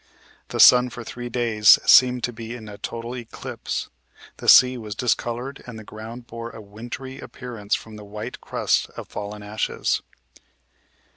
The sun for three days seemed to be in a total eclipse, the sea was discolored and the ground bore a wintry appearance from the white crust of fallen ashes.